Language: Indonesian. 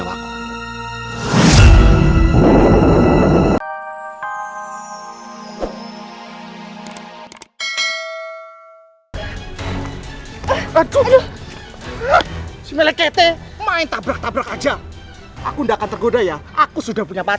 sampai jumpa di video selanjutnya